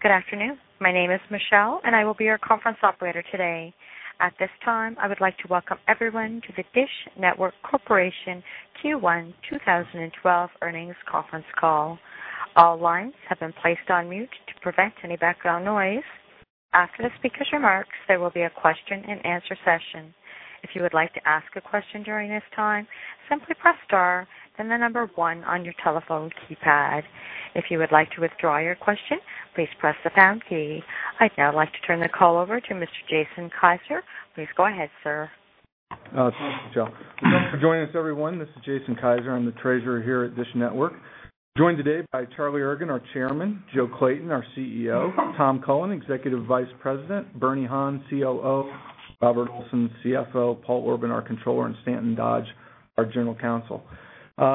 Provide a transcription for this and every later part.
Good afternoon. My name is Michelle, and I will be your conference operator today. At this time, I would like to welcome everyone to the DISH Network Corporation Q1 2012 earnings conference call. All lines have been placed on mute to prevent any background noise. After the speaker's remarks, there will be a question-and-answer session. If you would like to ask a question during this time, simply press star then the number one on your telephone keypad. If you would like to withdraw your question, please press the pound key. I'd now like to turn the call over to Mr. Jason Kiser. Please go ahead, sir. Thanks, Michelle. Thanks for joining us, everyone. This is Jason Kiser. I'm the treasurer here at DISH Network. Joined today by Charlie Ergen, our Chairman, Joe Clayton, our CEO, Tom Cullen, Executive Vice President, Bernie Han, COO, Robert Olson, CFO, Paul Orban, our controller, and Stanton Dodge, our General Counsel.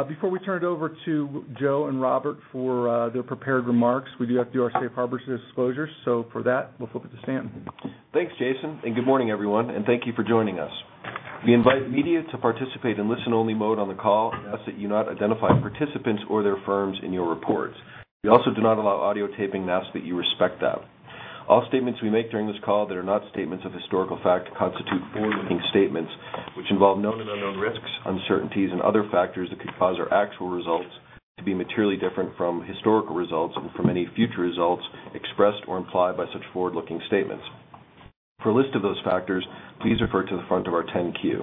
Before we turn it over to Joe and Robert for their prepared remarks, we do have to do our safe harbor disclosure. For that, we'll flip it to Stanton. Thanks, Jason. Good morning, everyone, and thank you for joining us. We invite media to participate in listen-only mode on the call and ask that you not identify participants or their firms in your reports. We also do not allow audio taping and ask that you respect that. All statements we make during this call that are not statements of historical fact constitute forward-looking statements, which involve known and unknown risks, uncertainties and other factors that could cause our actual results to be materially different from historical results and from any future results expressed or implied by such forward-looking statements. For a list of those factors, please refer to the front of our Form 10-Q.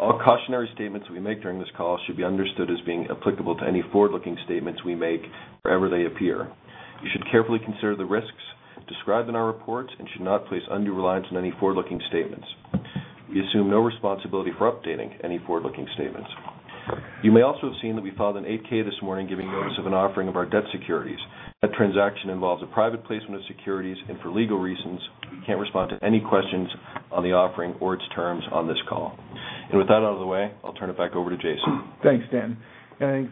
All cautionary statements we make during this call should be understood as being applicable to any forward-looking statements we make wherever they appear. You should carefully consider the risks described in our reports and should not place undue reliance on any forward-looking statements. We assume no responsibility for updating any forward-looking statements. You may also have seen that we filed an 8-K this morning giving notice of an offering of our debt securities. That transaction involves a private placement of securities, and for legal reasons, we can't respond to any questions on the offering or its terms on this call. With that out of the way, I'll turn it back over to Jason. Thanks, Stanton.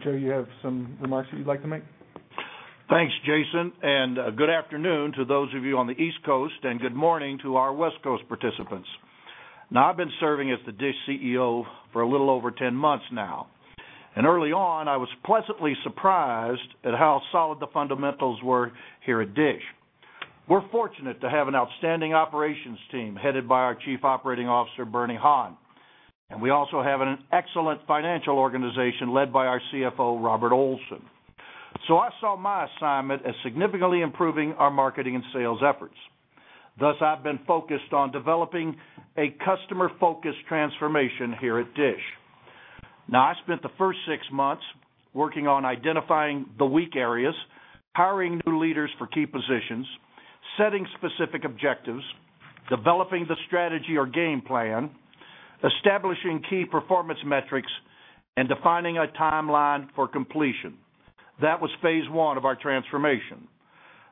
Joe, you have some remarks that you'd like to make? Thanks, Jason. Good afternoon to those of you on the East Coast and good morning to our West Coast participants. I've been serving as the DISH CEO for a little over 10 months now. Early on, I was pleasantly surprised at how solid the fundamentals were here at DISH. We're fortunate to have an outstanding operations team headed by our Chief Operating Officer, Bernie Han. We also have an excellent financial organization led by our CFO, Robert Olson. I saw my assignment as significantly improving our marketing and sales efforts. I've been focused on developing a customer-focused transformation here at DISH. I spent the first six months working on identifying the weak areas, hiring new leaders for key positions, setting specific objectives, developing the strategy or game plan, establishing key performance metrics, and defining a timeline for completion. That was phase one of our transformation.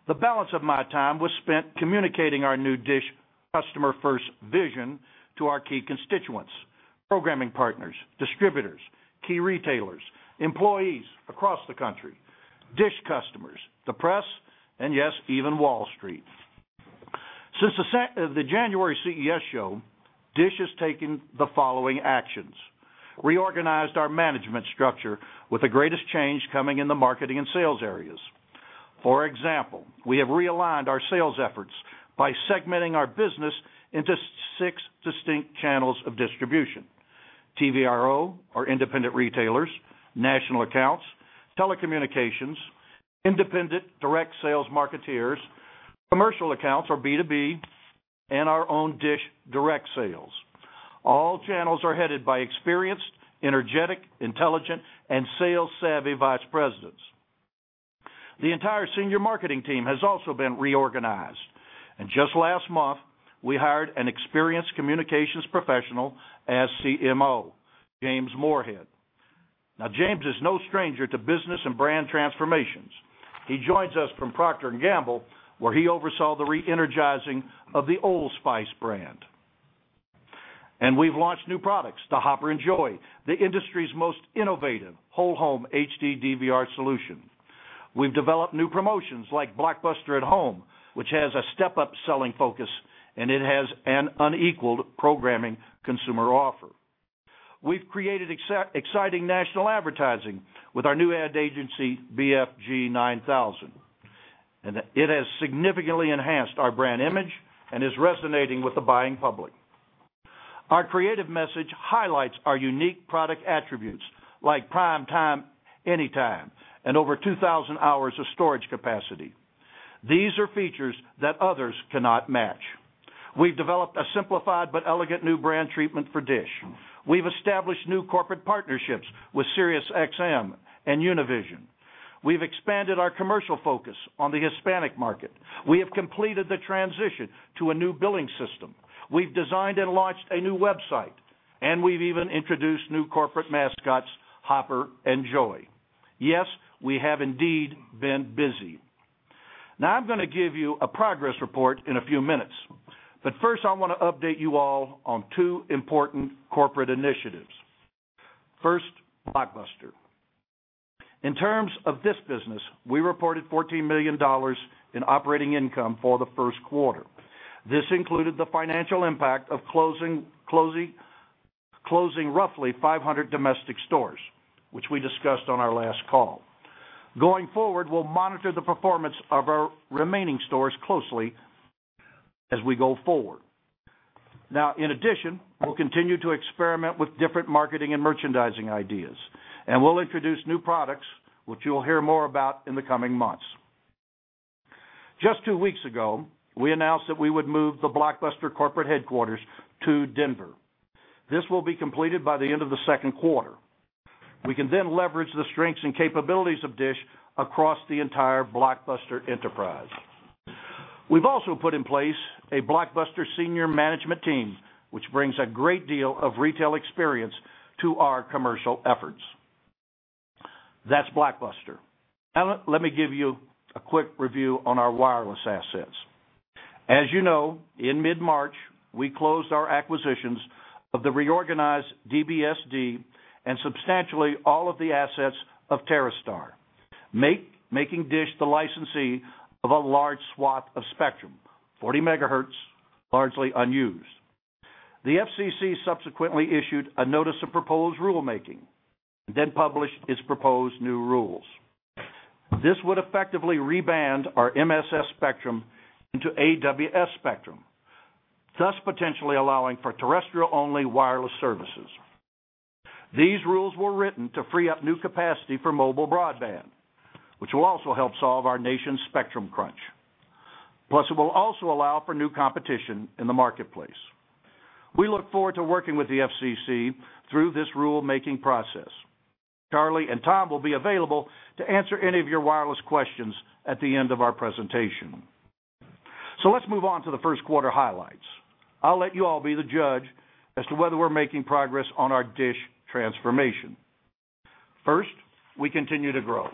The balance of my time was spent communicating our new DISH customer-first vision to our key constituents, programming partners, distributors, key retailers, employees across the country, DISH customers, the press, and yes, even Wall Street. Since the January CES show, DISH has taken the following actions: reorganized our management structure with the greatest change coming in the marketing and sales areas. For example, we have realigned our sales efforts by segmenting our business into six distinct channels of distribution. TVRO, our independent retailers, national accounts, telecommunications, independent direct sales marketeers, commercial accounts or B2B, and our own DISH direct sales. All channels are headed by experienced, energetic, intelligent, and sales-savvy vice presidents. The entire senior marketing team has also been reorganized. Just last month, we hired an experienced communications professional as CMO, James Moorhead. Now, James is no stranger to business and brand transformations. He joins us from Procter & Gamble, where he oversaw the re-energizing of the Old Spice brand. We've launched new products, the Hopper and Joey, the industry's most innovative whole-home HD DVR solution. We've developed new promotions like Blockbuster @Home, which has a step-up selling focus, and it has an unequaled programming consumer offer. We've created exciting national advertising with our new ad agency, Barton F. Graf 9000. It has significantly enhanced our brand image and is resonating with the buying public. Our creative message highlights our unique product attributes like PrimeTime Anytime and over 2,000 hours of storage capacity. These are features that others cannot match. We've developed a simplified but elegant new brand treatment for DISH. We've established new corporate partnerships with Sirius XM and Univision. We've expanded our commercial focus on the Hispanic market. We have completed the transition to a new billing system. We've designed and launched a new website, and we've even introduced new corporate mascots, Hopper and Joey. Yes, we have indeed been busy. I'm going to give you a progress report in a few minutes. First, I want to update you all on two important corporate initiatives. First, Blockbuster. In terms of this business, we reported $14 million in operating income for the first quarter. This included the financial impact of closing roughly 500 domestic stores, which we discussed on our last call. Going forward, we'll monitor the performance of our remaining stores closely as we go forward. In addition, we'll continue to experiment with different marketing and merchandising ideas, and we'll introduce new products which you'll hear more about in the coming months. Just two weeks ago, we announced that we would move the Blockbuster corporate headquarters to Denver. This will be completed by the end of the second quarter. We can leverage the strengths and capabilities of DISH across the entire Blockbuster enterprise. We've also put in place a Blockbuster senior management team, which brings a great deal of retail experience to our commercial efforts. That's Blockbuster. Let me give you a quick review on our wireless assets. As you know, in mid-March, we closed our acquisitions of the reorganized DBSD and substantially all of the assets of TerreStar, making DISH the licensee of a large swath of spectrum, 40 MHz, largely unused. The FCC subsequently issued a notice of proposed rulemaking, published its proposed new rules. This would effectively reband our MSS spectrum into AWS spectrum, thus potentially allowing for terrestrial-only wireless services. These rules were written to free up new capacity for mobile broadband, which will also help solve our nation's spectrum crunch. It will also allow for new competition in the marketplace. We look forward to working with the FCC through this rulemaking process. Charlie and Tom will be available to answer any of your wireless questions at the end of our presentation. Let's move on to the first quarter highlights. I'll let you all be the judge as to whether we're making progress on our DISH transformation. First, we continue to grow.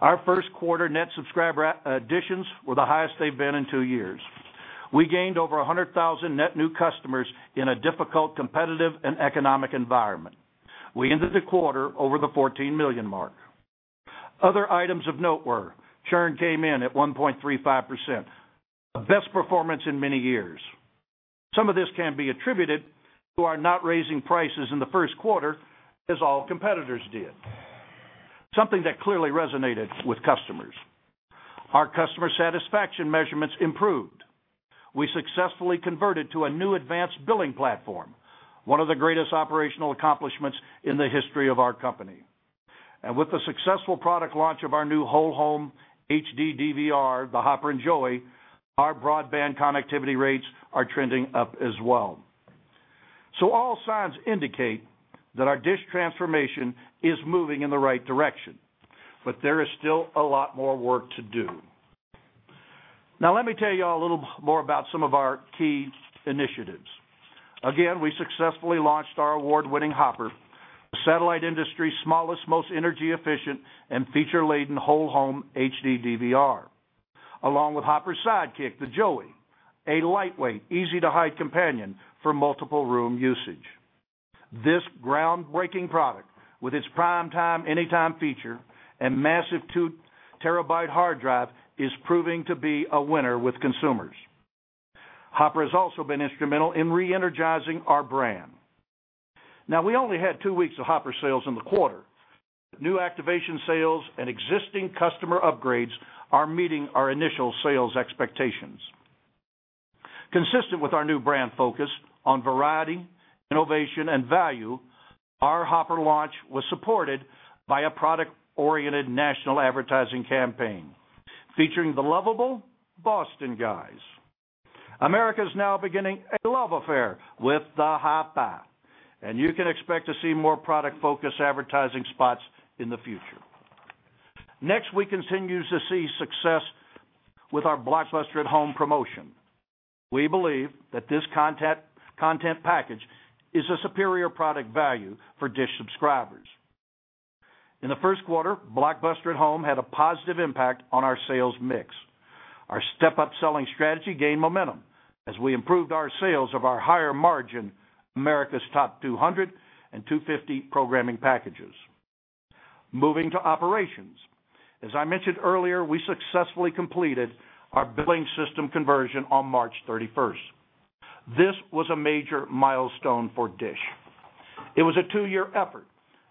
Our first quarter net subscriber additions were the highest they've been in two years. We gained over 100,000 net new customers in a difficult, competitive, and economic environment. We ended the quarter over the 14 million mark. Other items of note were churn came in at 1.35%, a best performance in many years. Some of this can be attributed to our not raising prices in the first quarter as all competitors did, something that clearly resonated with customers. Our customer satisfaction measurements improved. We successfully converted to a new advanced billing platform, one of the greatest operational accomplishments in the history of our company. With the successful product launch of our new whole home HD DVR, the Hopper and Joey, our broadband connectivity rates are trending up as well. All signs indicate that our DISH transformation is moving in the right direction, but there is still a lot more work to do. Now, let me tell you all a little more about some of our key initiatives. Again, we successfully launched our award-winning Hopper, the satellite industry's smallest, most energy efficient and feature-laden whole-home HD DVR, along with Hopper's sidekick, the Joey, a lightweight, easy-to-hide companion for multiple room usage. This groundbreaking product, with its PrimeTime Anytime feature and massive 2 TB hard drive, is proving to be a winner with consumers. Hopper has also been instrumental in re-energizing our brand. We only had two weeks of Hopper sales in the quarter. New activation sales and existing customer upgrades are meeting our initial sales expectations. Consistent with our new brand focus on variety, innovation, and value, our Hopper launch was supported by a product-oriented national advertising campaign featuring the lovable Boston Guys. America's now beginning a love affair with the Hopper, and you can expect to see more product-focused advertising spots in the future. We continue to see success with our Blockbuster @Home promotion. We believe that this content package is a superior product value for DISH subscribers. In the first quarter, Blockbuster @Home had a positive impact on our sales mix. Our step-up selling strategy gained momentum as we improved our sales of our higher margin, America's Top 200 and 250 programming packages. Moving to operations. As I mentioned earlier, we successfully completed our billing system conversion on March 31st. This was a major milestone for DISH. It was a two-year effort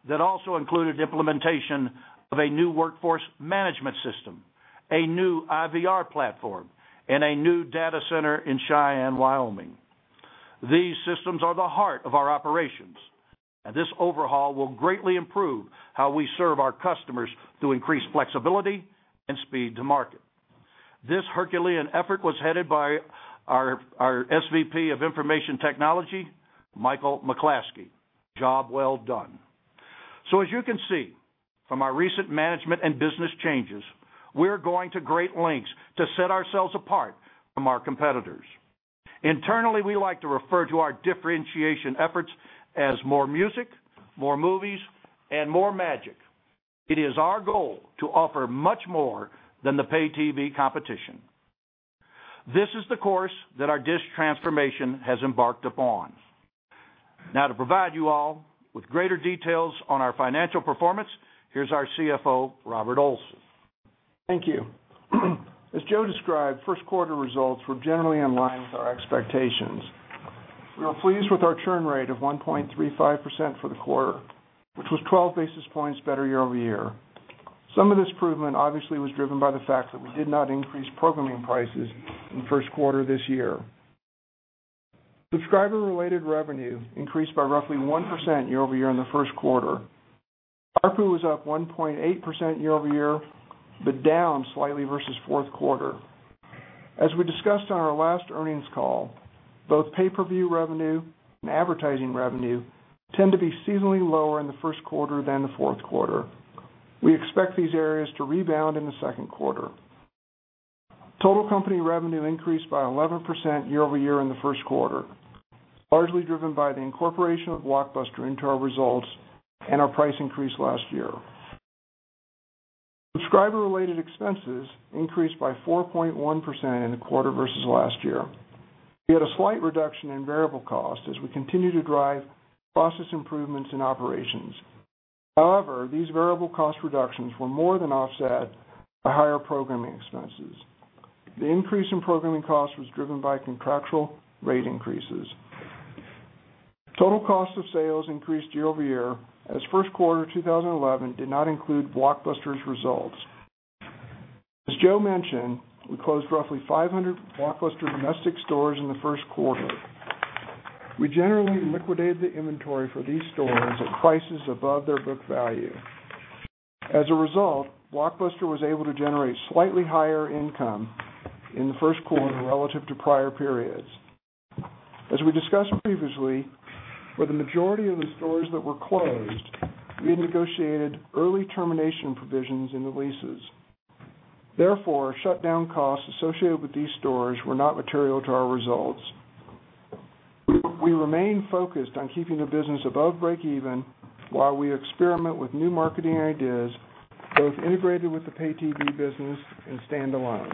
that also included implementation of a new workforce management system, a new IVR platform, and a new data center in Cheyenne, Wyoming. These systems are the heart of our operations, this overhaul will greatly improve how we serve our customers through increased flexibility and speed to market. This Herculean effort was headed by our SVP of Information Technology, Michael McClaskey. Job well done. As you can see from our recent management and business changes, we're going to great lengths to set ourselves apart from our competitors. Internally, we like to refer to our differentiation efforts as more music, more movies, and more magic. It is our goal to offer much more than the pay TV competition. This is the course that our DISH transformation has embarked upon. To provide you all with greater details on our financial performance, here's our CFO, Robert Olson. Thank you. As Joe described, first quarter results were generally in line with our expectations. We are pleased with our churn rate of 1.35% for the quarter, which was 12 basis points better year-over-year. Some of this improvement obviously was driven by the fact that we did not increase programming prices in the first quarter this year. Subscriber-related revenue increased by roughly 1% year-over-year in the first quarter. ARPU was up 1.8% year-over-year, but down slightly versus fourth quarter. As we discussed on our last earnings call, both pay-per-view revenue and advertising revenue tend to be seasonally lower in the first quarter than the fourth quarter. We expect these areas to rebound in the second quarter. Total company revenue increased by 11% year-over-year in the first quarter, largely driven by the incorporation of Blockbuster into our results and our price increase last year. Subscriber-related expenses increased by 4.1% in the quarter versus last year. We had a slight reduction in variable cost as we continue to drive process improvements in operations. These variable cost reductions were more than offset by higher programming expenses. The increase in programming costs was driven by contractual rate increases. Total cost of sales increased year-over-year as first quarter 2011 did not include Blockbuster's results. As Joe mentioned, we closed roughly 500 Blockbuster domestic stores in the first quarter. We generally liquidated the inventory for these stores at prices above their book value. Blockbuster was able to generate slightly higher income in the first quarter relative to prior periods. As we discussed previously, for the majority of the stores that were closed, we had negotiated early termination provisions in the leases. Therefore, shutdown costs associated with these stores were not material to our results. We remain focused on keeping the business above break even while we experiment with new marketing ideas, both integrated with the pay TV business and standalone.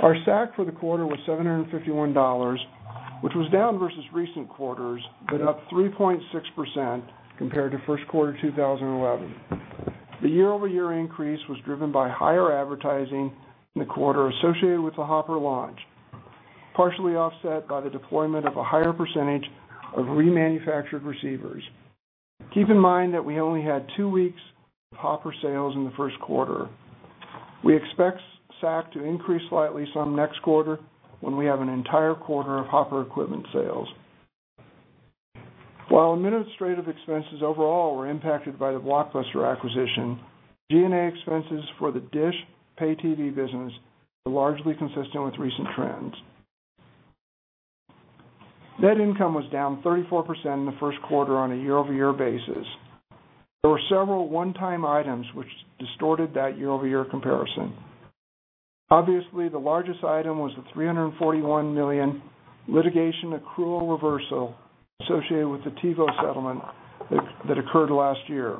Our SAC for the quarter was $751, which was down versus recent quarters, but up 3.6% compared to first quarter 2011. The year-over-year increase was driven by higher advertising in the quarter associated with the Hopper launch, partially offset by the deployment of a higher percentage of remanufactured receivers. Keep in mind that we only had two weeks of Hopper sales in the first quarter. We expect SAC to increase slightly some next quarter when we have an entire quarter of Hopper equipment sales. While administrative expenses overall were impacted by the Blockbuster acquisition, G&A expenses for the DISH pay TV business were largely consistent with recent trends. Net income was down 34% in the first quarter on a year-over-year basis. There were several one-time items which distorted that year-over-year comparison. Obviously, the largest item was the $341 million litigation accrual reversal associated with the TiVo settlement that occurred last year.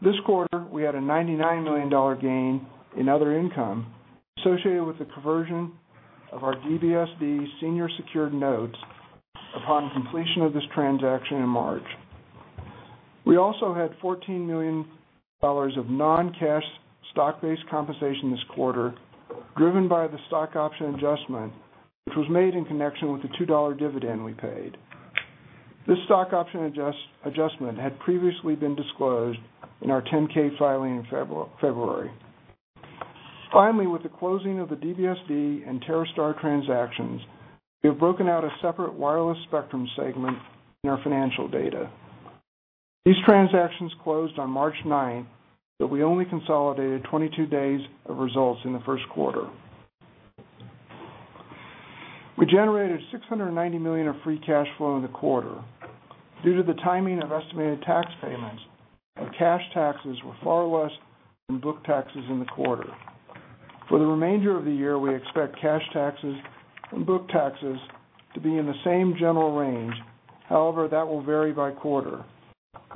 This quarter, we had a $99 million gain in other income associated with the conversion of our DBSD senior secured notes upon completion of this transaction in March. We also had $14 million of non-cash stock-based compensation this quarter, driven by the stock option adjustment, which was made in connection with the $2 dividend we paid. This stock option adjustment had previously been disclosed in our Form 10-K filing in February. With the closing of the DBSD and TerreStar transactions, we have broken out a separate wireless spectrum segment in our financial data. These transactions closed on March 9th, we only consolidated 22 days of results in the first quarter. We generated $690 million of free cash flow in the quarter. Due to the timing of estimated tax payments, our cash taxes were far less than book taxes in the quarter. For the remainder of the year, we expect cash taxes and book taxes to be in the same general range. That will vary by quarter.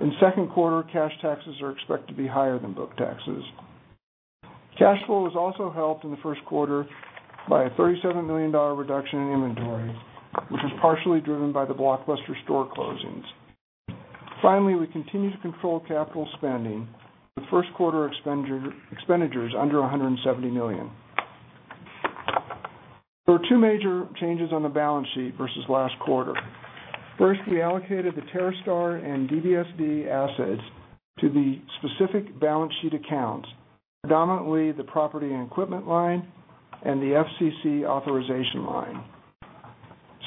In second quarter, cash taxes are expected to be higher than book taxes. Cash flow was also helped in the first quarter by a $37 million reduction in inventory, which was partially driven by the Blockbuster store closings. We continue to control capital spending, with first quarter expenditures under $170 million. There were two major changes on the balance sheet versus last quarter. First, we allocated the TerreStar and DBSD assets to the specific balance sheet accounts, predominantly the property and equipment line and the FCC authorization line.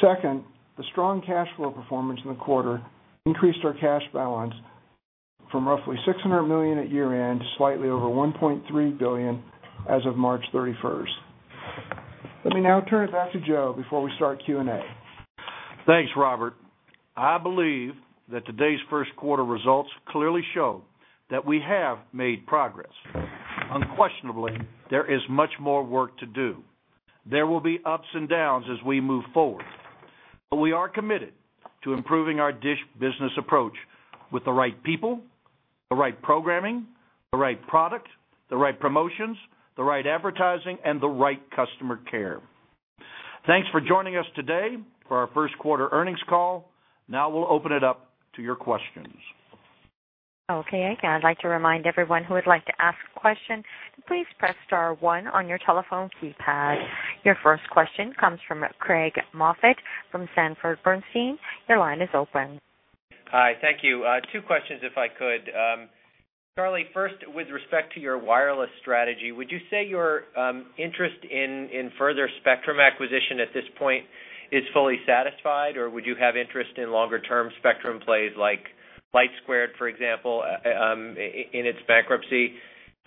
Second, the strong cash flow performance in the quarter increased our cash balance from roughly $600 million at year-end to slightly over $1.3 billion as of March 31st. Let me now turn it back to Joe before we start Q&A. Thanks, Robert. I believe that today's first quarter results clearly show that we have made progress. Unquestionably, there is much more work to do. There will be ups and downs as we move forward. We are committed to improving our DISH business approach with the right people, the right programming, the right product, the right promotions, the right advertising, and the right customer care. Thanks for joining us today for our first quarter earnings call. Now we'll open it up to your questions. Okay. Again, I'd like to remind everyone who would like to ask a question. Your first question comes from Craig Moffett from Sanford Bernstein. Your line is open. Hi. Thank you. Two questions if I could. Charlie, first, with respect to your wireless strategy, would you say your interest in further spectrum acquisition at this point is fully satisfied, or would you have interest in longer term spectrum plays like LightSquared, for example, in its bankruptcy?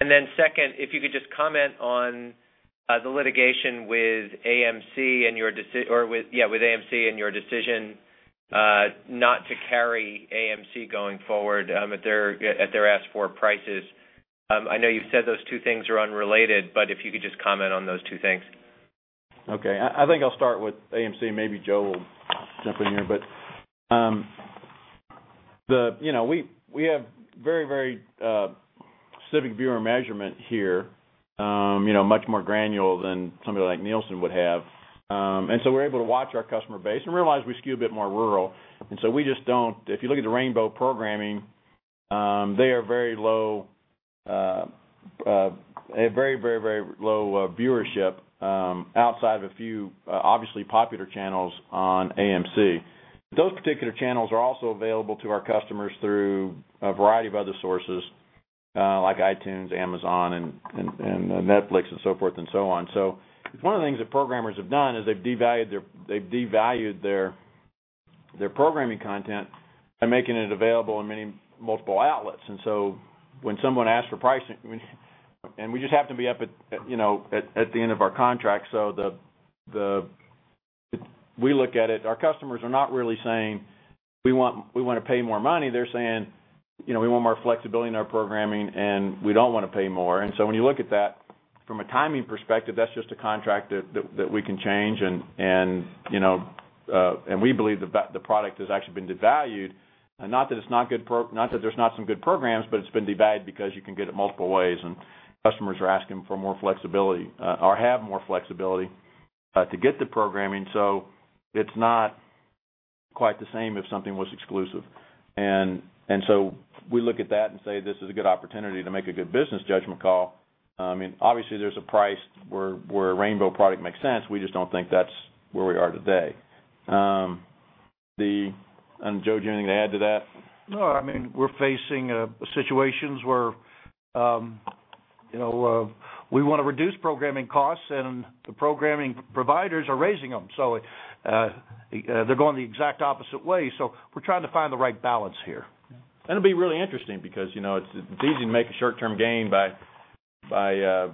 Then second, if you could just comment on the litigation with AMC and your decision not to carry AMC going forward, at their asked-for prices. I know you've said those two things are unrelated, if you could just comment on those two things. Okay. I think I'll start with AMC, maybe Joe will jump in here. You know, we have very, very specific viewer measurement here, you know, much more granular than somebody like Nielsen would have. We're able to watch our customer base and realize we skew a bit more rural. If you look at the Rainbow programming, they are very low, a very low viewership outside of a few, obviously popular channels on AMC. Those particular channels are also available to our customers through a variety of other sources, like iTunes, Amazon and Netflix and so forth and so on. One of the things that programmers have done is they've devalued their programming content by making it available in many multiple outlets. When someone asks for pricing, when we just happen to be up at, you know, at the end of our contract, so we look at it, our customers are not really saying, "We wanna pay more money." They're saying, you know, "We want more flexibility in our programming, and we don't wanna pay more." When you look at that from a timing perspective, that's just a contract that we can change and, you know, and we believe the product has actually been devalued. Not that there's not some good programs, but it's been devalued because you can get it multiple ways, and customers are asking for more flexibility, or have more flexibility to get the programming. It's not quite the same if something was exclusive. We look at that and say, "This is a good opportunity to make a good business judgment call." I mean, obviously, there's a price where a Rainbow product makes sense. We just don't think that's where we are today. Joe, do you have anything to add to that? No. I mean, we're facing situations where, you know, we wanna reduce programming costs and the programming providers are raising them. They're going the exact opposite way, so we're trying to find the right balance here. It'll be really interesting because, you know, it's easy to make a short-term gain by, you know,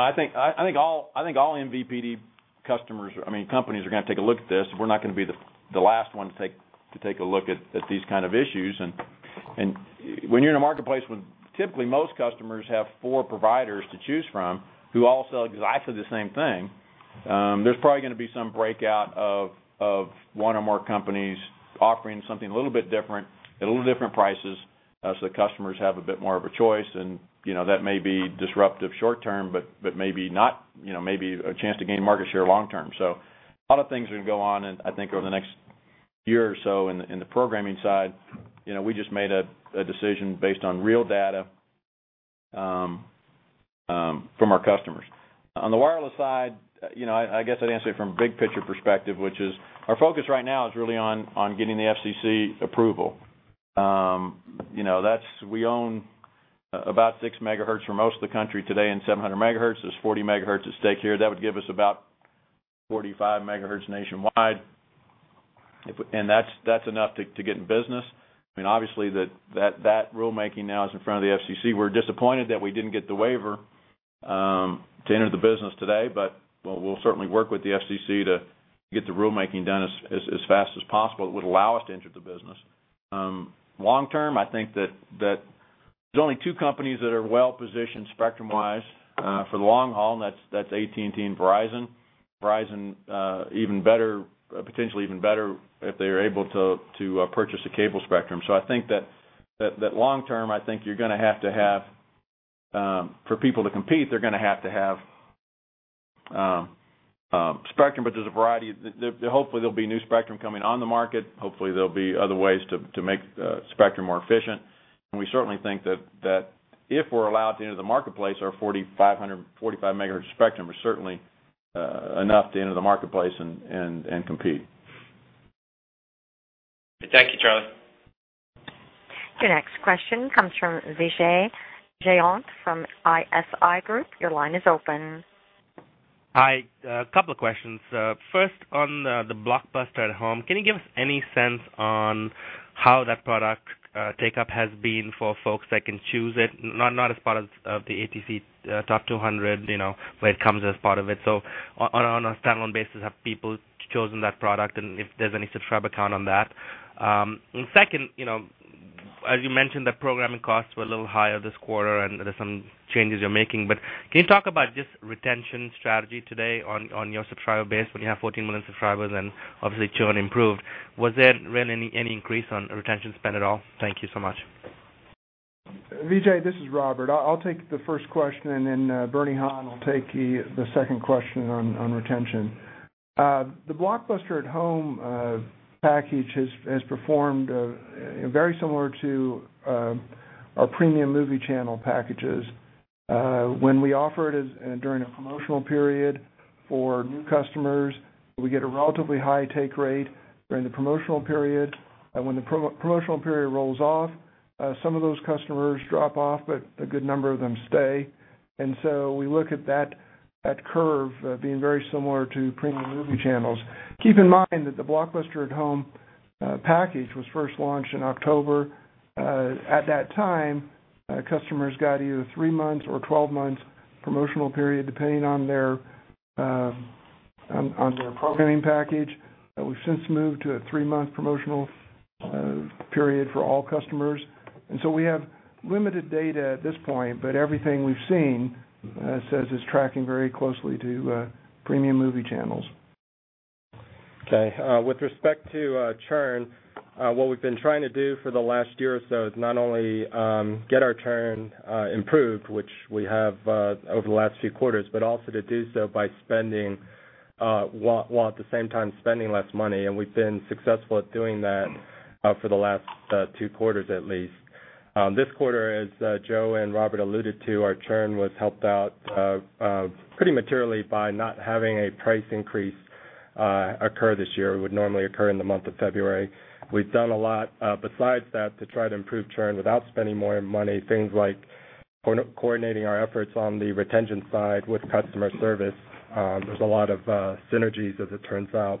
I think all MVPD customers are, I mean, companies are gonna take a look at this. We're not gonna be the last one to take a look at these kind of issues. When you're in a marketplace when typically most customers have four providers to choose from who all sell exactly the same thing, there's probably gonna be some breakout of one or more companies offering something a little bit different at a little different prices, so the customers have a bit more of a choice. You know, that may be disruptive short term, but maybe not, you know, maybe a chance to gain market share long term. A lot of things are gonna go on and I think over the next year or so in the programming side. You know, we just made a decision based on real data from our customers. On the wireless side, you know, I guess I'd answer it from a big picture perspective, which is our focus right now is really on getting the FCC approval. You know, that's, we own about 6 MHz for most of the country today and 700 MHz. There's 40 MHz at stake here. That would give us about 45 MHz nationwide if and that's enough to get in business. I mean, obviously that rulemaking now is in front of the FCC. We're disappointed that we didn't get the waiver to enter the business today, we'll certainly work with the FCC to get the rulemaking done as fast as possible that would allow us to enter the business. Long term, I think that there's only two companies that are well-positioned spectrum-wise for the long haul, and that's AT&T and Verizon. Verizon, even better, potentially even better if they are able to purchase the cable spectrum. I think that long term, I think you're gonna have to have for people to compete, they're gonna have to have spectrum, there's a variety. Hopefully there'll be new spectrum coming on the market. Hopefully there'll be other ways to make spectrum more efficient. We certainly think that if we're allowed to enter the marketplace, our 4,500, 45 MHz of spectrum is certainly enough to enter the marketplace and compete. Thank you, Charlie. Your next question comes from Vijay Jayant from ISI Group. Your line is open. Hi. A couple of questions. First, on the Blockbuster @Home, can you give us any sense on how that product take-up has been for folks that can choose it, not as part of America's Top 200, where it comes as part of it. On a standalone basis, have people chosen that product, and if there's any subscriber count on that? Second, as you mentioned, the programming costs were a little higher this quarter, and there's some changes you're making, but can you talk about just retention strategy today on your subscriber base when you have 14 million subscribers and obviously churn improved? Was there really any increase on retention spend at all? Thank you so much. Vijay, this is Robert. I'll take the first question, and then Bernie Han will take the second question on retention. The Blockbuster @Home package has performed very similar to our premium movie channel packages. When we offer it during a promotional period for new customers, we get a relatively high take rate during the promotional period, and when the promotional period rolls off, some of those customers drop off, but a good number of them stay. We look at that curve being very similar to premium movie channels. Keep in mind that the Blockbuster @Home package was first launched in October. At that time, customers got either three months or 12 months promotional period, depending on their programming package. We've since moved to a three-month promotional period for all customers. We have limited data at this point, but everything we've seen says it's tracking very closely to premium movie channels. Okay. With respect to churn, what we've been trying to do for the last year or so is not only get our churn improved, which we have over the last few quarters, but also to do so by spending while at the same time spending less money. We've been successful at doing that for the last two quarters at least. This quarter, as Joe and Robert alluded to, our churn was helped out pretty materially by not having a price increase occur this year. It would normally occur in the month of February. We've done a lot besides that to try to improve churn without spending more money. Things like coordinating our efforts on the retention side with customer service. There's a lot of synergies as it turns out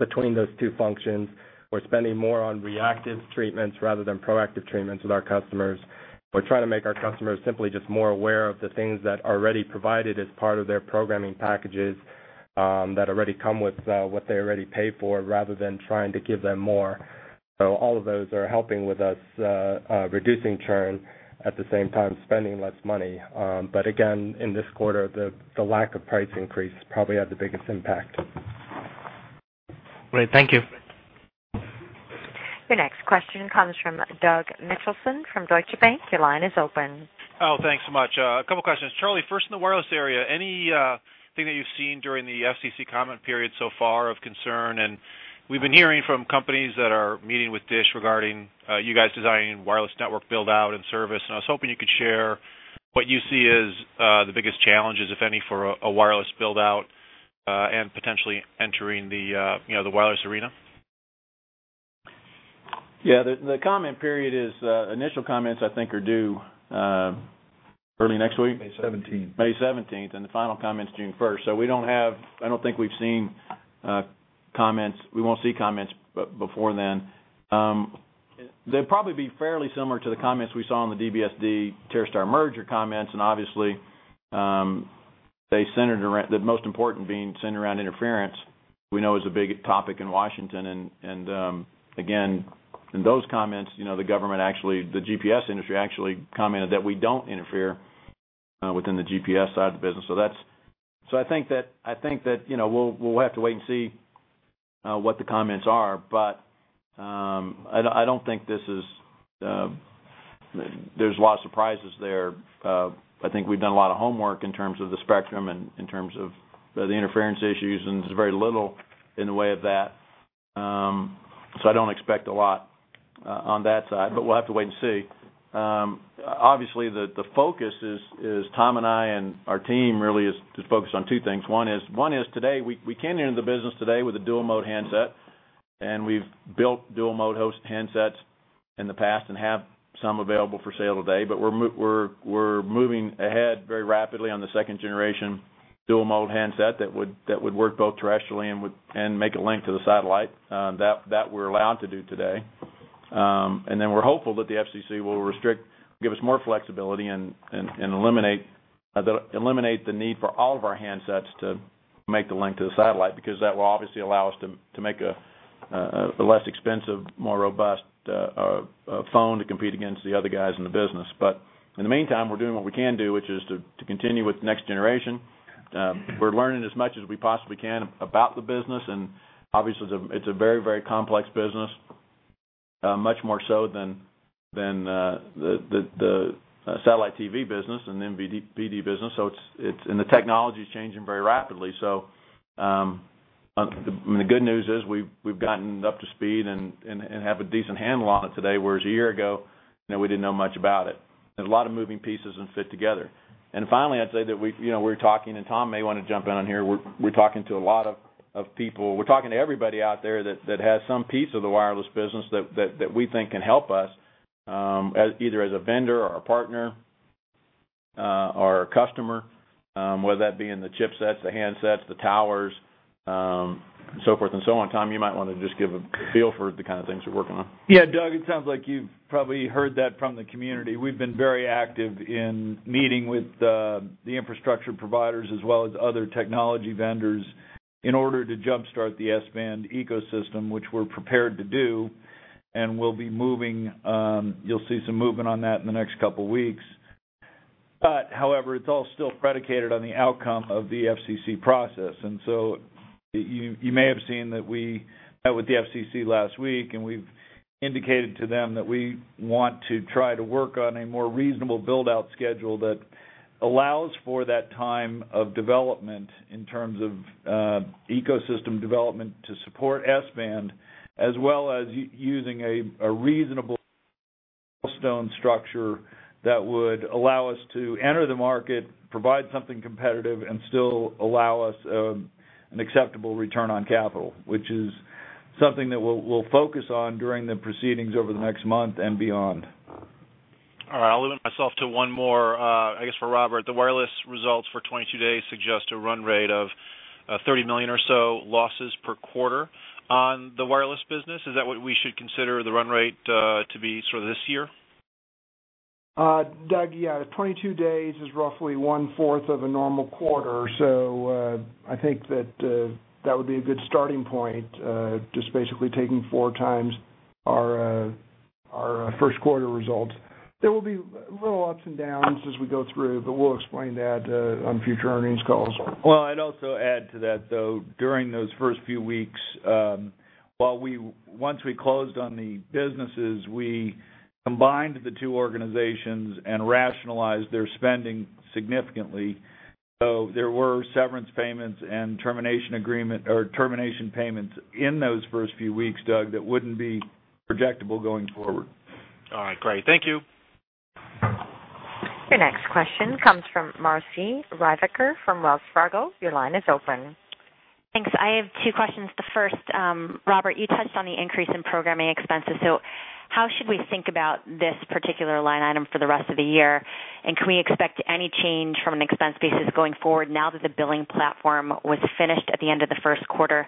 between those two functions. We're spending more on reactive treatments rather than proactive treatments with our customers. We're trying to make our customers simply just more aware of the things that are already provided as part of their programming packages that already come with what they already pay for rather than trying to give them more. All of those are helping with us reducing churn, at the same time spending less money. Again, in this quarter, the lack of price increase probably had the biggest impact. Great. Thank you. Your next question comes from Doug Mitchelson from Deutsche Bank. Your line is open. Oh, thanks so much. A couple questions. Charlie, first in the wireless area, any thing that you've seen during the FCC comment period so far of concern? We've been hearing from companies that are meeting with DISH regarding you guys designing wireless network build-out and service, and I was hoping you could share what you see as the biggest challenges, if any, for a wireless build-out and potentially entering the, you know, the wireless arena. Yeah. The comment period is, initial comments I think are due, early next week. May 17th. May 17th, the final comment's June 1st. We don't think we've seen comments. We won't see comments before then. They'd probably be fairly similar to the comments we saw on the DBSD/TerreStar merger comments. Obviously, they centered around the most important being centered around interference we know is a big topic in Washington. And again, in those comments, you know, the government actually, the GPS industry actually commented that we don't interfere within the GPS side of the business. I think that, you know, we'll have to wait and see what the comments are. I don't think this is there's a lot of surprises there. I think we've done a lot of homework in terms of the spectrum and in terms of the interference issues, and there's very little in the way of that. I don't expect a lot on that side, but we'll have to wait and see. The focus is Tom and I, and our team really is just focused on two things. One is today, we came into the business today with a dual-mode handset, and we've built dual-mode host handsets in the past and have some available for sale today. We're moving ahead very rapidly on the second generation dual-mode handset that would work both terrestrially and would make a link to the satellite that we're allowed to do today. We're hopeful that the FCC will give us more flexibility and eliminate the need for all of our handsets to make the link to the satellite because that will obviously allow us to make a less expensive, more robust phone to compete against the other guys in the business. In the meantime, we're doing what we can do, which is to continue with next generation. We're learning as much as we possibly can about the business, and obviously it's a very, very complex business, much more so than the satellite TV business and the MVPD business. The technology's changing very rapidly. I mean, the good news is we've gotten up to speed and have a decent handle on it today, whereas a year ago, you know, we didn't know much about it. There's a lot of moving pieces that fit together. Finally, I'd say that we, you know, we're talking, and Tom may wanna jump in on here, we're talking to a lot of people. We're talking to everybody out there that has some piece of the wireless business that we think can help us as either as a vendor or a partner or a customer, whether that be in the chipsets, the handsets, the towers, so forth and so on. Tom, you might wanna just give a feel for the kind of things we're working on. Yeah, Doug, it sounds like you've probably heard that from the community. We've been very active in meeting with the infrastructure providers as well as other technology vendors in order to jumpstart the S-band ecosystem, which we're prepared to do, and we'll be moving. You'll see some movement on that in the next couple weeks. However, it's all still predicated on the outcome of the FCC process. You may have seen that we met with the FCC last week, and we've indicated to them that we want to try to work on a more reasonable build-out schedule that allows for that time of development in terms of ecosystem development to support S-band, as well as using a reasonable cost structure that would allow us to enter the market, provide something competitive, and still allow us an acceptable return on capital, which is something that we'll focus on during the proceedings over the next month and beyond. All right. I'll limit myself to one more, I guess for Robert. The wireless results for 22 days suggest a run rate of $30 million or so losses per quarter on the wireless business. Is that what we should consider the run rate to be sort of this year? Doug, 22 days is roughly one-fourth of a normal quarter. I think that would be a good starting point, just basically taking 4x our first quarter results. There will be a little ups and downs as we go through, but we'll explain that on future earnings calls. Well, I'd also add to that, though, during those first few weeks, once we closed on the businesses, we combined the two organizations and rationalized their spending significantly. There were severance payments and termination agreement or termination payments in those first few weeks, Doug, that wouldn't be projectable going forward. All right, great. Thank you. Your next question comes from Marci Ryvicker from Wells Fargo. Your line is open. Thanks. I have two questions. The first, Robert, you touched on the increase in programming expenses, how should we think about this particular line item for the rest of the year? Can we expect any change from an expense basis going forward now that the billing platform was finished at the end of the first quarter?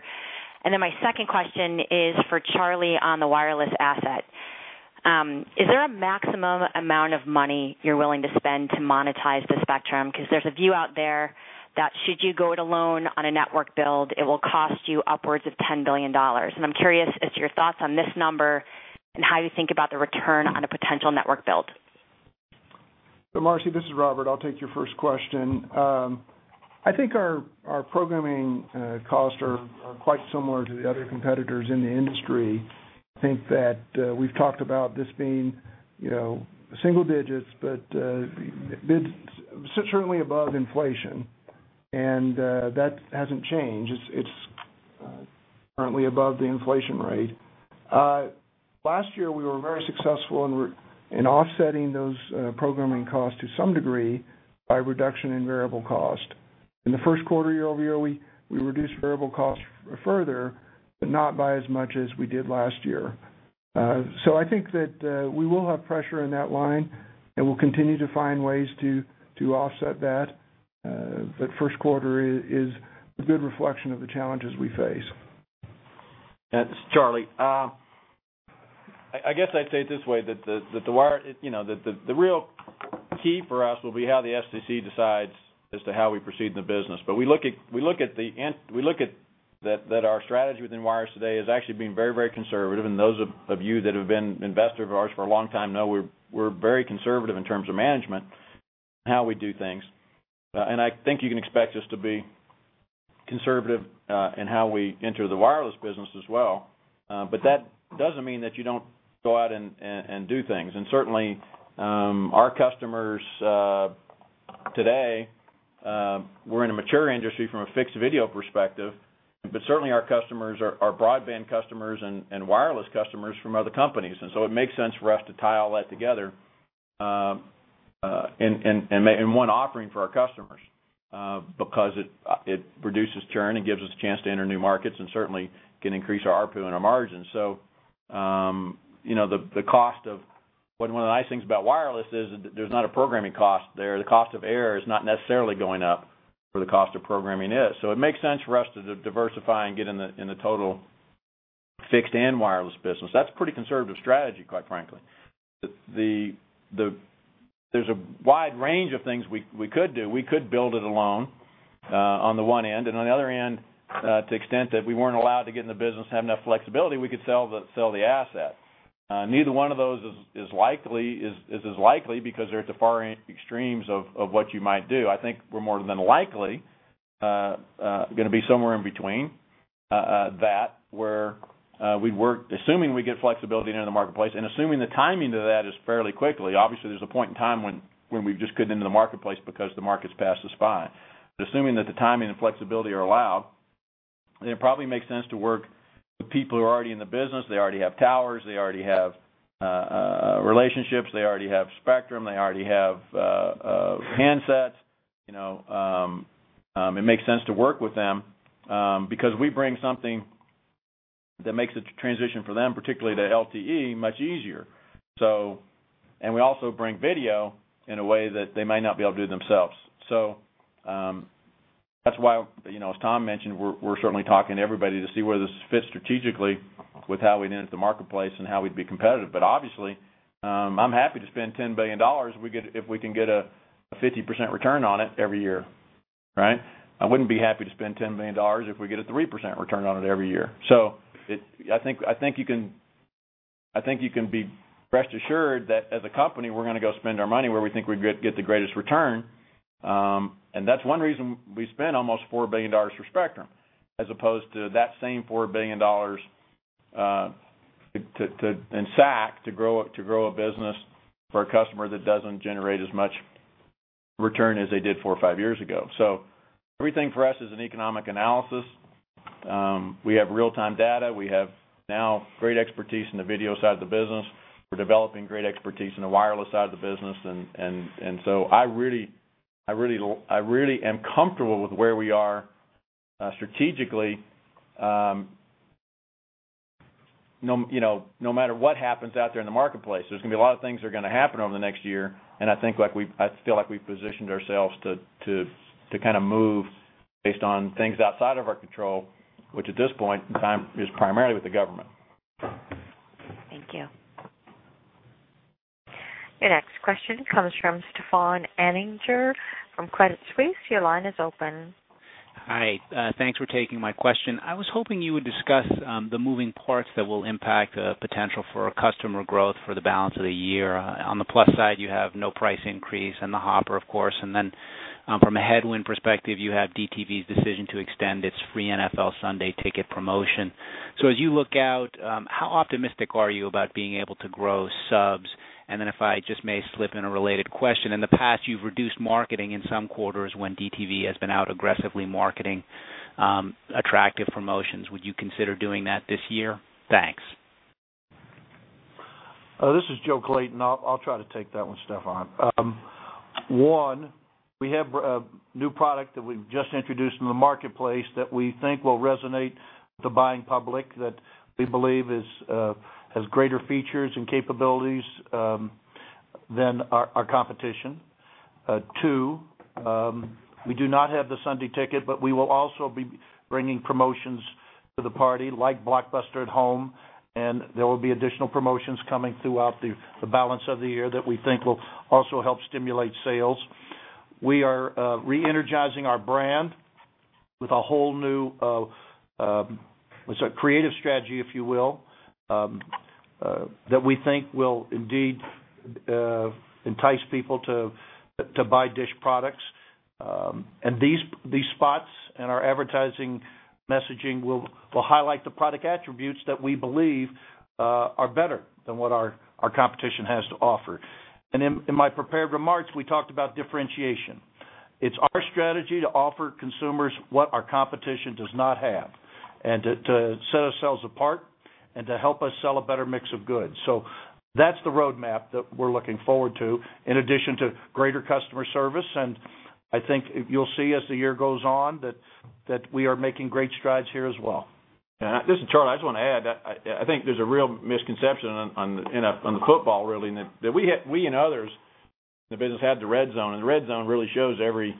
My second question is for Charlie on the wireless asset. Is there a maximum amount of money you're willing to spend to monetize the spectrum? 'Cause there's a view out there that should you go it alone on a network build, it will cost you upwards of $10 billion. I'm curious as to your thoughts on this number and how you think about the return on a potential network build. Marci, this is Robert. I'll take your first question. I think our programming costs are quite similar to the other competitors in the industry. I think that we've talked about this being, you know, single digits, but certainly above inflation, and that hasn't changed. It's currently above the inflation rate. Last year, we were very successful in offsetting those programming costs to some degree by reduction in variable cost. In the first quarter year-over-year, we reduced variable costs further, but not by as much as we did last year. I think that we will have pressure in that line, and we'll continue to find ways to offset that. But first quarter is a good reflection of the challenges we face. It's Charlie. I guess I'd say it this way, that the wire You know, the real key for us will be how the FCC decides as to how we proceed in the business. We look at that our strategy within wires today is actually being very, very conservative. Those of you that have been investors of ours for a long time know we're very conservative in terms of management and how we do things. I think you can expect us to be conservative in how we enter the wireless business as well. That doesn't mean that you don't go out and do things. Certainly, our customers today, we're in a mature industry from a fixed video perspective, but certainly our customers are broadband customers and wireless customers from other companies. It makes sense for us to tie all that together in one offering for our customers because it reduces churn and gives us a chance to enter new markets and certainly can increase our ARPU and our margins. You know, the cost of one of the nice things about wireless is there's not a programming cost there. The cost of air is not necessarily going up where the cost of programming is. It makes sense for us to diversify and get in the total fixed and wireless business. That's pretty conservative strategy, quite frankly. There's a wide range of things we could do. We could build it alone on the one end. On the other end, to extent that we weren't allowed to get in the business, have enough flexibility, we could sell the asset. Neither one of those is as likely because they're at the far end extremes of what you might do. I think we're more than likely gonna be somewhere in between that where we'd work, assuming we get flexibility into the marketplace and assuming the timing to that is fairly quickly. Obviously, there's a point in time when we just couldn't enter the marketplace because the market's past the spot. Assuming that the timing and flexibility are allowed, it probably makes sense to work with people who are already in the business. They already have towers, they already have relationships, they already have spectrum, they already have handsets. You know, it makes sense to work with them because we bring something that makes the transition for them, particularly to LTE, much easier. We also bring video in a way that they might not be able to do themselves. That's why, you know, as Tom mentioned, we're certainly talking to everybody to see where this fits strategically with how we enter the marketplace and how we'd be competitive. Obviously, I'm happy to spend $10 billion if we can get a 50% return on it every year, right? I wouldn't be happy to spend $10 billion if we get a 3% return on it every year. I think you can be rest assured that as a company, we're gonna go spend our money where we think we'd get the greatest return. That's one reason we spent almost $4 billion for Spectrum as opposed to that same $4 billion to and SAC to grow a business for a customer that doesn't generate as much return as they did four or five years ago. Everything for us is an economic analysis. We have real-time data. We have now great expertise in the video side of the business. We're developing great expertise in the wireless side of the business and so I really am comfortable with where we are strategically, you know, no matter what happens out there in the marketplace. There's gonna be a lot of things that are gonna happen over the next year, and I think like I feel like we've positioned ourselves to kind of move based on things outside of our control, which at this point in time is primarily with the government. Thank you. Your next question comes from Stefan Anninger from Credit Suisse. Your line is open. Hi. Thanks for taking my question. I was hoping you would discuss the moving parts that will impact the potential for customer growth for the balance of the year. On the plus side, you have no price increase in the Hopper, of course. From a headwind perspective, you have DTV's decision to extend its free NFL Sunday Ticket promotion. As you look out, how optimistic are you about being able to grow subs? If I just may slip in a related question, in the past, you've reduced marketing in some quarters when DTV has been out aggressively marketing attractive promotions. Would you consider doing that this year? Thanks. This is Joe Clayton. I'll try to take that one, Stefan. One, we have a new product that we've just introduced in the marketplace that we think will resonate with the buying public, that we believe is has greater features and capabilities than our competition. Two, we do not have the Sunday Ticket, but we will also be bringing promotions to the party like Blockbuster @Home, and there will be additional promotions coming throughout the balance of the year that we think will also help stimulate sales. We are re-energizing our brand with a whole new with a creative strategy, if you will, that we think will indeed entice people to buy DISH products. These spots and our advertising messaging will highlight the product attributes that we believe are better than what our competition has to offer. In my prepared remarks, we talked about differentiation. It's our strategy to offer consumers what our competition does not have and to set ourselves apart and to help us sell a better mix of goods. That's the roadmap that we're looking forward to, in addition to greater customer service. I think you'll see as the year goes on, that we are making great strides here as well. Yeah. This is Charlie. I just want to add that I think there's a real misconception on the football really, in that we and others in the business have the NFL RedZone, and the NFL RedZone really shows every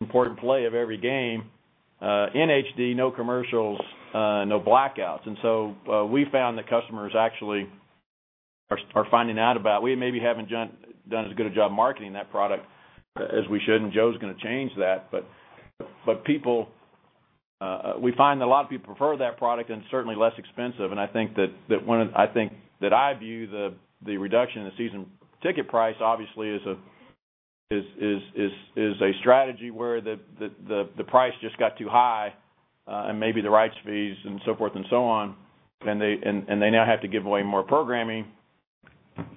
important play of every game in HD, no commercials, no blackouts. We found that customers actually are finding out about We maybe haven't done as good a job marketing that product as we should, and Joe's gonna change that. People, we find that a lot of people prefer that product and certainly less expensive. I think that one of I think that I view the reduction in the season ticket price obviously as a, is a strategy where the price just got too high, and maybe the rights fees and so forth and so on, and they now have to give away more programming.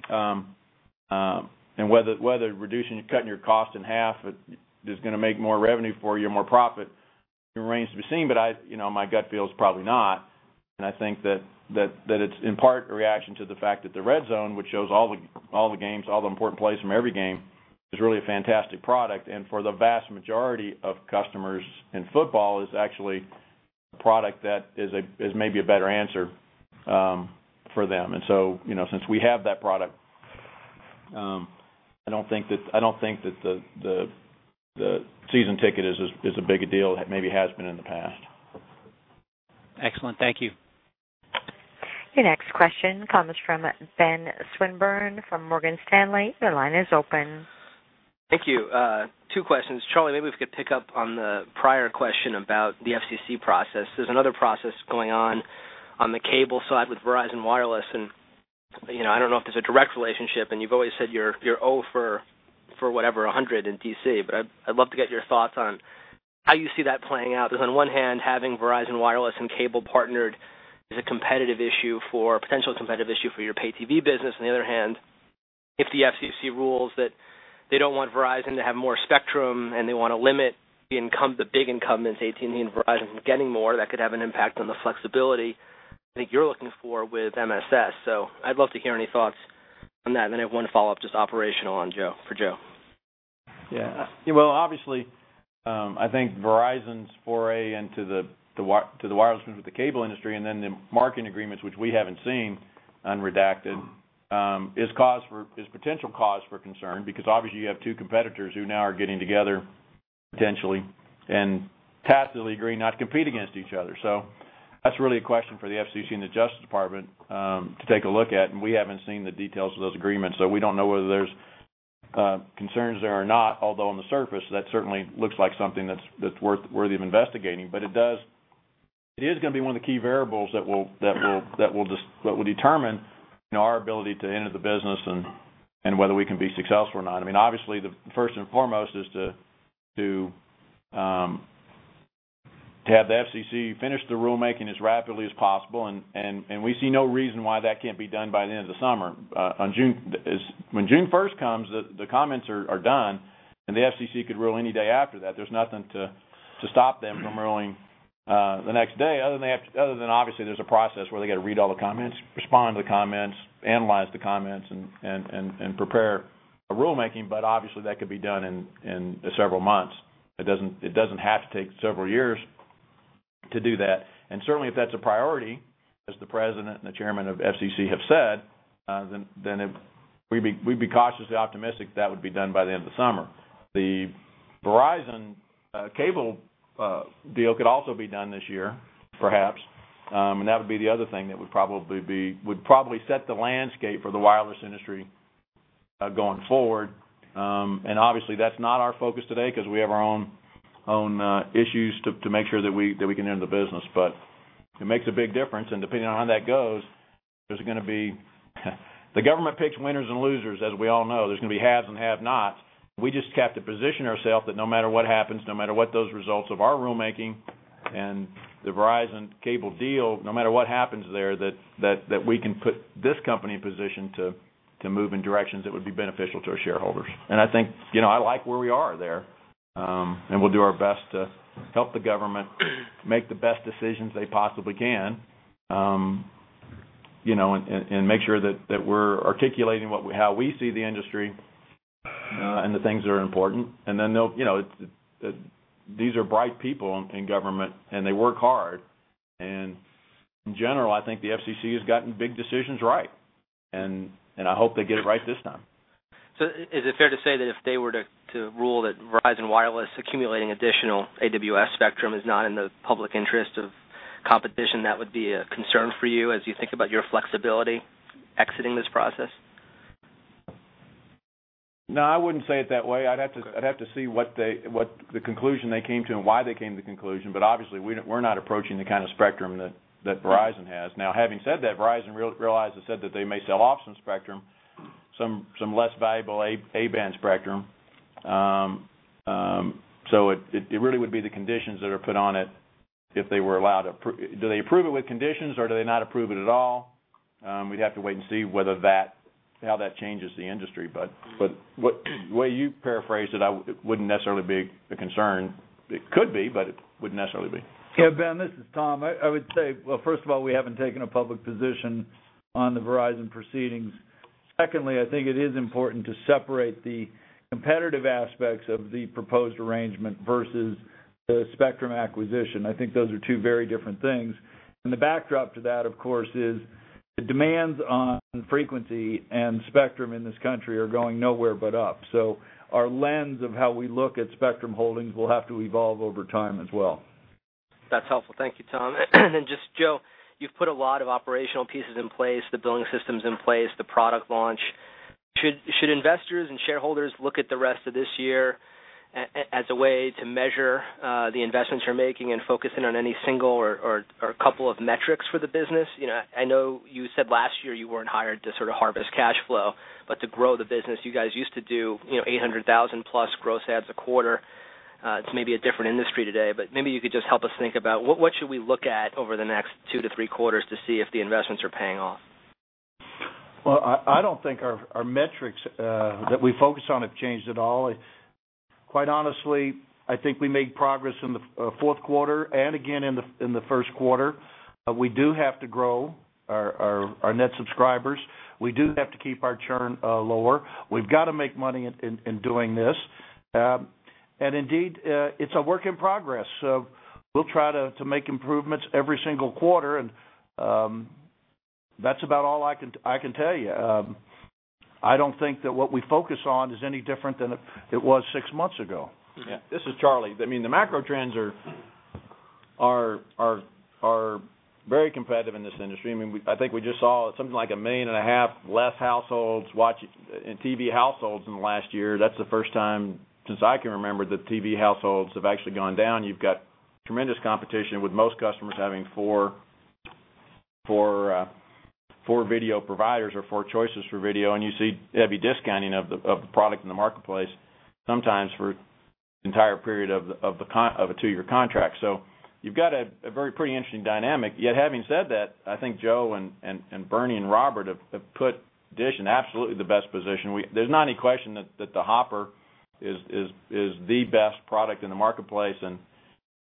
Whether reducing, cutting your cost in half, is gonna make more revenue for you or more profit remains to be seen, but I, you know, my gut feel is probably not. I think that it's in part a reaction to the fact that the NFL RedZone, which shows all the games, all the important plays from every game, is really a fantastic product. For the vast majority of customers, and football is actually a product that is maybe a better answer for them. You know, since we have that product, I don't think that the season ticket is as big a deal as maybe it has been in the past. Excellent. Thank you. Your next question comes from Ben Swinburne from Morgan Stanley. Your line is open. Thank you. two questions. Charlie, maybe we could pick up on the prior question about the FCC process. There's another process going on on the cable side with Verizon Wireless and, you know, I don't know if there's a direct relationship, and you've always said you're O for whatever, 100 in D.C. I'd love to get your thoughts on how you see that playing out because on one hand, having Verizon Wireless and cable partnered is a competitive issue for, a potential competitive issue for your pay TV business. On the other hand, if the FCC rules that they don't want Verizon to have more spectrum and they wanna limit the big incumbents, AT&T and Verizon, from getting more, that could have an impact on the flexibility I think you're looking for with MSS. I'd love to hear any thoughts on that. Then I have one follow-up, just operational on Joe, for Joe. Well, obviously, I think Verizon's foray into the wireless with the cable industry and then the marketing agreements, which we haven't seen unredacted, is cause for, is potential cause for concern because obviously you have two competitors who now are getting together potentially and tacitly agree not to compete against each other. That's really a question for the FCC and the Justice Department to take a look at, and we haven't seen the details of those agreements, so we don't know whether there are concerns there or not, although on the surface, that certainly looks like something that's worthy of investigating. It is gonna be one of the key variables that will determine, you know, our ability to enter the business and whether we can be successful or not. I mean, obviously, the first and foremost is to have the FCC finish the rulemaking as rapidly as possible, and we see no reason why that can't be done by the end of the summer. When June 1st comes, the comments are done, the FCC could rule any day after that. There's nothing to stop them from ruling the next day other than obviously there's a process where they gotta read all the comments, respond to the comments, analyze the comments, and prepare a rulemaking, obviously that could be done in several months. It doesn't have to take several years to do that. Certainly, if that's a priority, as the President and the Chairman of FCC have said, we'd be cautiously optimistic that would be done by the end of the summer. The Verizon cable deal could also be done this year, perhaps. That would be the other thing that would probably set the landscape for the wireless industry going forward. Obviously, that's not our focus today 'cause we have our own issues to make sure that we can enter the business. It makes a big difference, and depending on how that goes, there's gonna be. The government picks winners and losers, as we all know. There's gonna be haves and have-nots. We just have to position ourselves that no matter what happens, no matter what those results of our rulemaking and the Verizon cable deal, no matter what happens there, that we can put this company in position to move in directions that would be beneficial to our shareholders. I think, you know, I like where we are there, and we'll do our best to help the government make the best decisions they possibly can, you know, and make sure that we're articulating how we see the industry and the things that are important. You know, these are bright people in government, and they work hard. In general, I think the FCC has gotten big decisions right, and I hope they get it right this time. Is it fair to say that if they were to rule that Verizon Wireless accumulating additional AWS spectrum is not in the public interest of competition, that would be a concern for you as you think about your flexibility exiting this process? No, I wouldn't say it that way. I'd have to see what the conclusion they came to and why they came to the conclusion. Obviously, we're not approaching the kind of spectrum that Verizon has. Now, having said that, Verizon realized and said that they may sell off some spectrum, some less valuable A Band spectrum. It really would be the conditions that are put on it if they were allowed, do they approve it with conditions, or do they not approve it at all? We'd have to wait and see whether that changes the industry. What way you paraphrased it, I wouldn't necessarily be a concern. It could be, but it wouldn't necessarily be. Yeah, Ben, this is Tom. I would say, well, first of all, we haven't taken a public position on the Verizon proceedings. Secondly, I think it is important to separate the competitive aspects of the proposed arrangement versus the spectrum acquisition. I think those are two very different things. The backdrop to that, of course, is the demands on frequency and spectrum in this country are going nowhere but up. Our lens of how we look at spectrum holdings will have to evolve over time as well. That's helpful. Thank you, Tom. Just Joe, you've put a lot of operational pieces in place, the billing systems in place, the product launch. Should investors and shareholders look at the rest of this year as a way to measure the investments you're making and focus in on any single or a couple of metrics for the business? You know, I know you said last year you weren't hired to sort of harvest cash flow, but to grow the business. You guys used to do, you know, 800,000+ gross adds a quarter. It's maybe a different industry today, but maybe you could just help us think about what should we look at over the next two to three quarters to see if the investments are paying off? I don't think our metrics that we focus on have changed at all. Quite honestly, I think we made progress in the fourth quarter and again in the first quarter. We do have to grow our net subscribers. We do have to keep our churn lower. We've got to make money in doing this. Indeed, it's a work in progress. We'll try to make improvements every single quarter and that's about all I can tell you. I don't think that what we focus on is any different than it was six months ago. Yeah. This is Charlie. I mean, the macro trends are very competitive in this industry. I mean, I think we just saw something like 1.5 million less households watch TV households in the last year. That's the first time since I can remember that TV households have actually gone down. You've got tremendous competition with most customers having four, four video providers or four choices for video, and you see heavy discounting of the product in the marketplace, sometimes for entire period of a two-year contract. You've got a very, pretty interesting dynamic. Yet having said that, I think Joe and Bernie and Robert have put DISH in absolutely the best position. There's not any question that the Hopper is the best product in the marketplace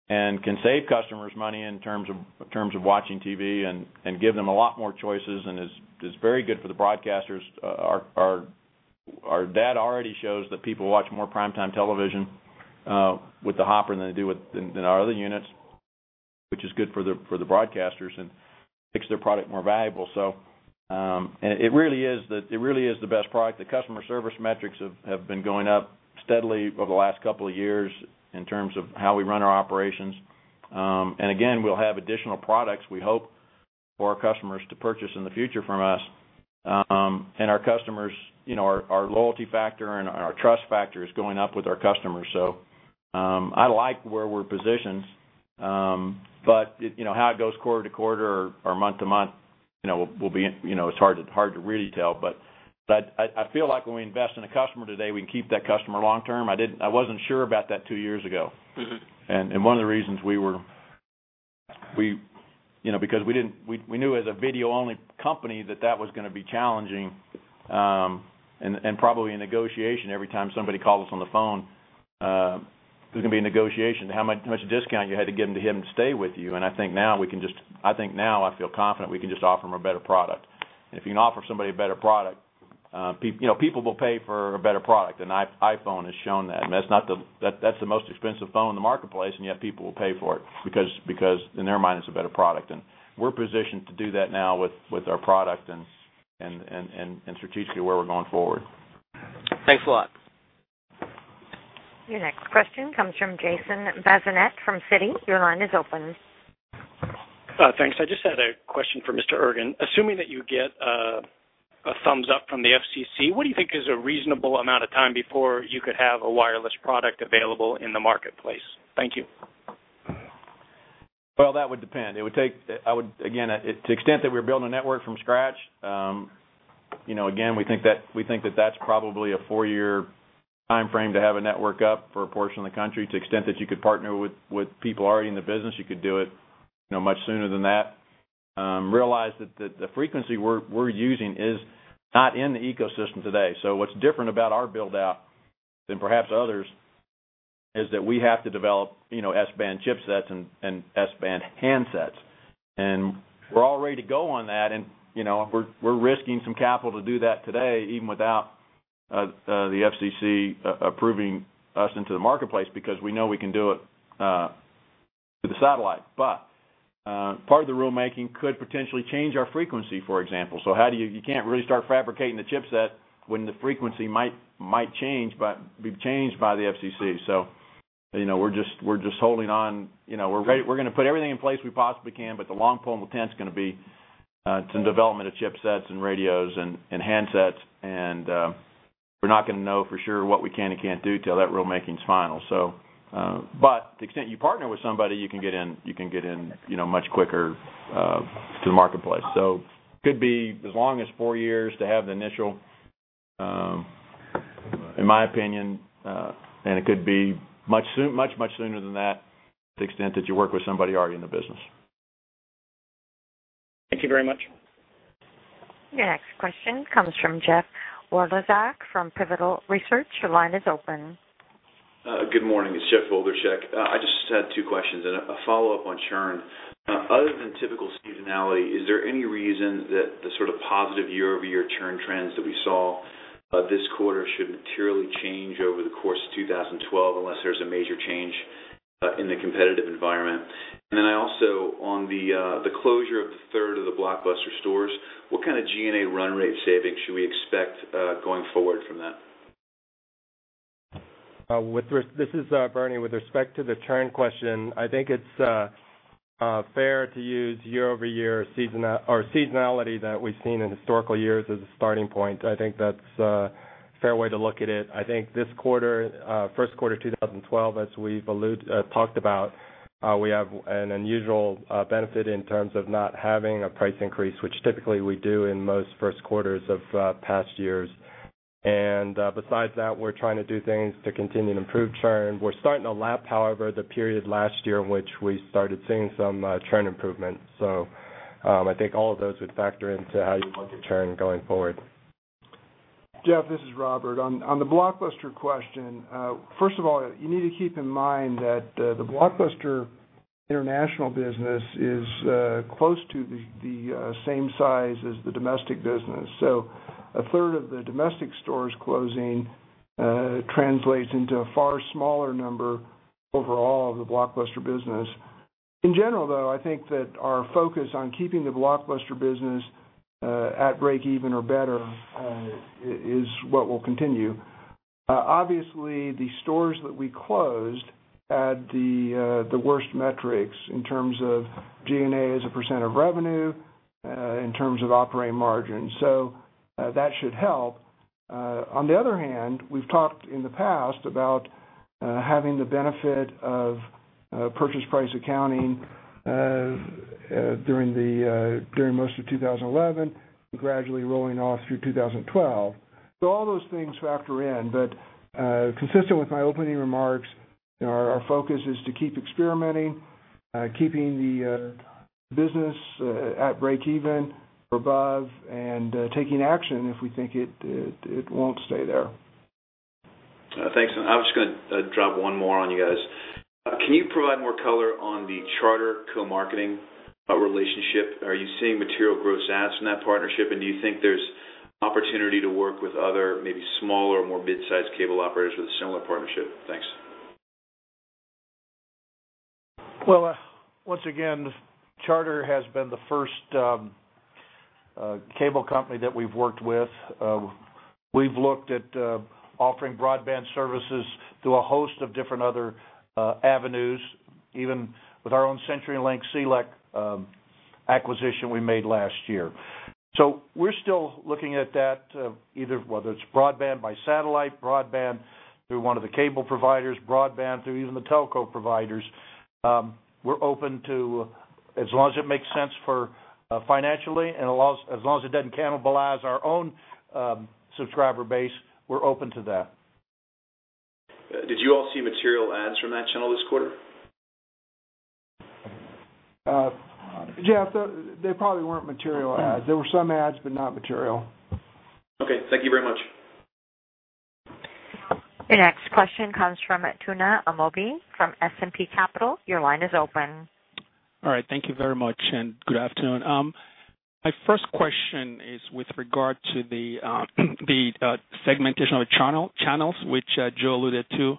and can save customers money in terms of watching TV and give them a lot more choices and is very good for the broadcasters. Our data already shows that people watch more primetime television with the Hopper than they do with our other units, which is good for the broadcasters and makes their product more valuable. It really is the best product. The customer service metrics have been going up steadily over the last couple of years in terms of how we run our operations. Again, we'll have additional products, we hope for our customers to purchase in the future from us. And our customers, you know, our loyalty factor and our trust factor is going up with our customers. I like where we're positioned. It, you know, how it goes quarter to quarter or month to month, you know, it's hard to really tell. I feel like when we invest in a customer today, we can keep that customer long-term. I wasn't sure about that two years ago. One of the reasons, you know, because we knew as a video-only company that that was going to be challenging, and probably a negotiation every time somebody called us on the phone. There was going to be a negotiation. How much discount you had to give to him to get him to stay with you. I feel confident we can just offer him a better product. If you can offer somebody a better product, you know, people will pay for a better product, iPhone has shown that. That's the most expensive phone in the marketplace, and yet people will pay for it because in their mind it's a better product. We're positioned to do that now with our product and strategically where we're going forward. Thanks a lot. Your next question comes from Jason Bazinet from Citi. Your line is open. Thanks. I just had a question for Mr. Ergen. Assuming that you get a thumbs up from the FCC, what do you think is a reasonable amount of time before you could have a wireless product available in the marketplace? Thank you. Well, that would depend. It would take, I would, again, to the extent that we're building a network from scratch, you know, again, we think that that's probably a four-year timeframe to have a network up for a portion of the country. To the extent that you could partner with people already in the business, you could do it, you know, much sooner than that. Realize that the frequency we're using is not in the ecosystem today. What's different about our build-out than perhaps others is that we have to develop, you know, S-band chipsets and S-band handsets. We're all ready to go on that, we're risking some capital to do that today, even without the FCC approving us into the marketplace because we know we can do it with the satellite. Part of the rulemaking could potentially change our frequency, for example. You can't really start fabricating the chipset when the frequency might be changed by the FCC. We're just holding on. We're ready, we're gonna put everything in place we possibly can, but the long pole in the tent's gonna be some development of chipsets and radios and handsets. We're not gonna know for sure what we can and can't do till that rulemaking's final. But to the extent you partner with somebody, you can get in, you know, much quicker to the marketplace. Could be as long as four years to have the initial, in my opinion, and it could be much sooner than that to the extent that you work with somebody already in the business. Thank you very much. Your next question comes from Jeff Wlodarczak from Pivotal Research. Your line is open. Good morning. It's Jeff Wlodarczak. I just had two questions and a follow-up on churn. Other than typical seasonality, is there any reason that the sort of positive year-over-year churn trends that we saw this quarter should materially change over the course of 2012 unless there's a major change in the competitive environment? I also, on the closure of the third of the Blockbuster stores, what kind of G&A run rate savings should we expect going forward from that? This is Bernie. With respect to the churn question, I think it's fair to use year-over-year seasonality that we've seen in historical years as a starting point. I think that's a fair way to look at it. I think this quarter, first quarter 2012, as we've talked about, we have an unusual benefit in terms of not having a price increase, which typically we do in most first quarters of past years. Besides that, we're trying to do things to continue to improve churn. We're starting to lap, however, the period last year in which we started seeing some churn improvement. I think all of those would factor into how you look at churn going forward. Jeff, this is Robert. On the Blockbuster question, first of all, you need to keep in mind that the Blockbuster international business is close to the same size as the domestic business. A third of the domestic stores closing translates into a far smaller number overall of the Blockbuster business. In general, though, I think that our focus on keeping the Blockbuster business at breakeven or better is what will continue. Obviously, the stores that we closed had the worst metrics in terms of G&A as a percentage of revenue, in terms of operating margin. That should help. On the other hand, we've talked in the past about having the benefit of purchase price accounting during most of 2011, gradually rolling off through 2012. All those things factor in. Consistent with my opening remarks, our focus is to keep experimenting, keeping the business at breakeven or above and taking action if we think it won't stay there. Thanks. I'm just gonna drop one more on you guys. Can you provide more color on the Charter co-marketing relationship? Are you seeing material gross adds from that partnership? Do you think there's opportunity to work with other maybe smaller, more mid-sized cable operators with a similar partnership? Thanks. Well, once again, Charter has been the first. Cable company that we've worked with. We've looked at offering broadband services through a host of different other avenues, even with our own CenturyLink CLEC acquisition we made last year. We're still looking at that, either whether it's broadband by satellite, broadband through one of the cable providers, broadband through even the telco providers. We're open to that, as long as it makes sense financially and as long as it doesn't cannibalize our own subscriber base. Did you all see material ads from that channel this quarter? Jeff, they probably weren't material ads. There were some ads, but not material. Okay. Thank you very much. The next question comes from Tuna Amobi from S&P Capital. Your line is open. All right, thank you very much, and good afternoon. My first question is with regard to the segmentation of channels which Joe alluded to.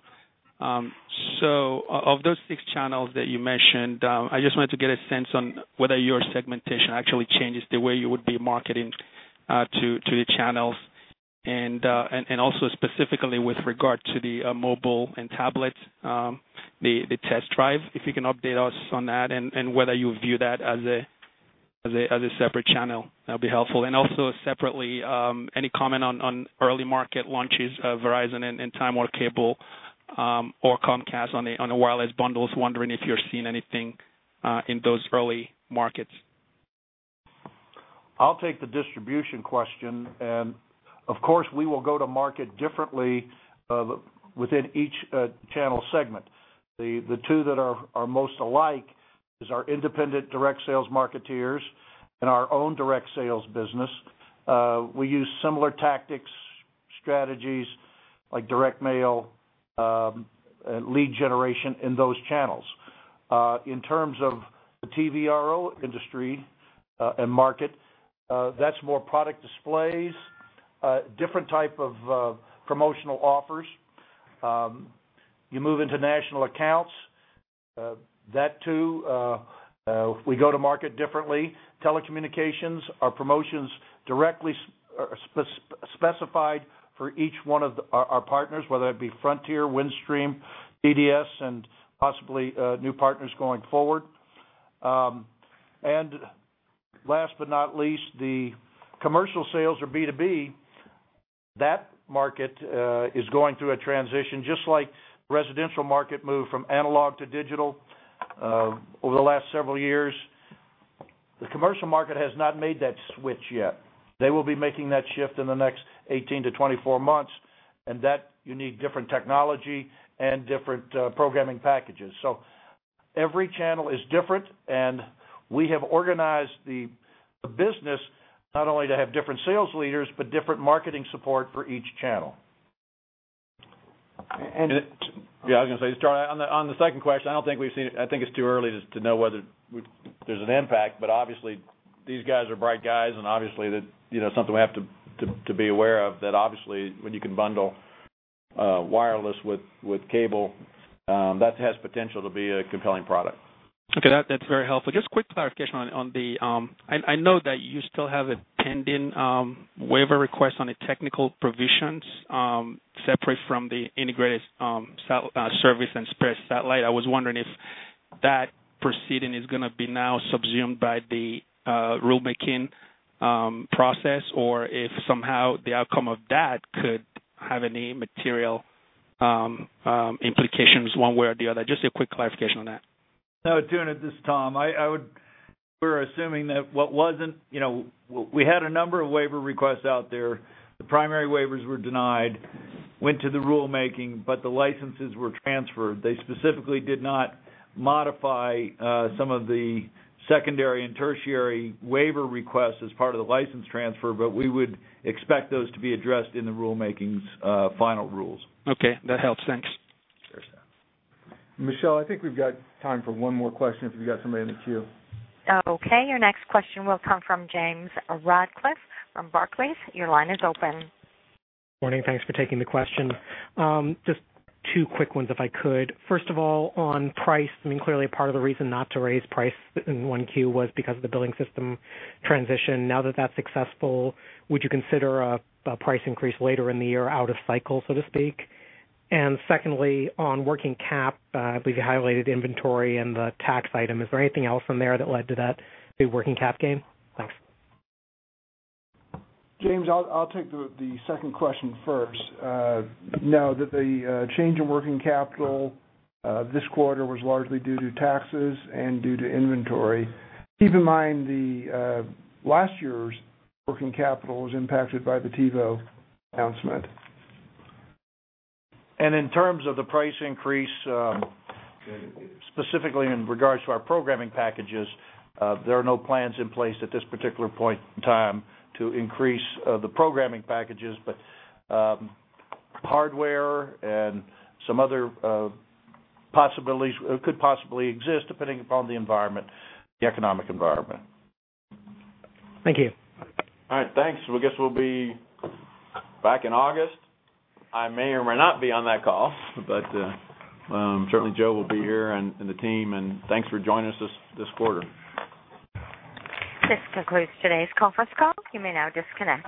Of those six channels that you mentioned, I just wanted to get a sense on whether your segmentation actually changes the way you would be marketing to the channels. Also specifically with regard to the mobile and tablet, the test drive, if you can update us on that and whether you view that as a separate channel, that'll be helpful. Also separately, any comment on early market launches of Verizon and Time Warner Cable or Comcast on the wireless bundles. Wondering if you're seeing anything in those early markets. I'll take the distribution question. Of course, we will go to market differently within each channel segment. The two that are most alike is our independent direct sales marketeers and our own direct sales business. We use similar tactics, strategies, like direct mail, lead generation in those channels. In terms of the TVRO industry and market, that's more product displays, different type of promotional offers. You move into national accounts, that too, we go to market differently. Telecommunications, our promotion's directly specified for each one of our partners, whether it be Frontier, Windstream, EDS, and possibly new partners going forward. Last but not least, the commercial sales or B2B, that market is going through a transition. Just like residential market moved from analog to digital over the last several years, the commercial market has not made that switch yet. They will be making that shift in the next 18 to 24 months, and that you need different technology and different programming packages. Every channel is different, and we have organized the business not only to have different sales leaders, but different marketing support for each channel. And- Yeah, I was gonna say, start on the second question, I don't think we've seen it. I think it's too early to know whether we've, there's an impact. Obviously, these guys are bright guys and obviously, you know, something we have to be aware of, that obviously when you can bundle wireless with cable, that has potential to be a compelling product. Okay, that's very helpful. Just quick clarification on the, I know that you still have a pending waiver request on the technical provisions, separate from the integrated cell service and terrestrial satellite. I was wondering if that proceeding is gonna be now subsumed by the rulemaking process or if somehow the outcome of that could have any material implications one way or the other? Just a quick clarification on that. No, Tuna, this is Tom. We're assuming that what wasn't, you know, we had a number of waiver requests out there. The primary waivers were denied, went to the rulemaking, but the licenses were transferred. They specifically did not modify some of the secondary and tertiary waiver requests as part of the license transfer, but we would expect those to be addressed in the rulemaking's final rules. Okay. That helps. Thanks. Sure. Michelle, I think we've got time for one more question if you've got somebody in the queue? Okay, your next question will come from James Ratcliffe from Barclays. Your line is open. Morning. Thanks for taking the question. Just two quick ones if I could. First of all, on price, I mean, clearly part of the reason not to raise price in 1Q was because of the billing system transition. Now that that's successful, would you consider a price increase later in the year out of cycle, so to speak? Secondly, on working cap, I believe you highlighted inventory and the tax item. Is there anything else in there that led to the working cap gain? Thanks. James, I'll take the second question first. No, the change in working capital this quarter was largely due to taxes and due to inventory. Keep in mind the last year's working capital was impacted by the TiVo announcement. In terms of the price increase, specifically in regards to our programming packages, there are no plans in place at this particular point in time to increase the programming packages. Hardware and some other possibilities could possibly exist depending upon the environment, the economic environment. Thank you. All right, thanks. I guess we'll be back in August. I may or may not be on that call, but certainly Joe will be here and the team, and thanks for joining us this quarter. This concludes today's conference call. You may now disconnect.